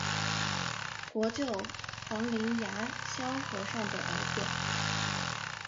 国舅房林牙萧和尚的儿子。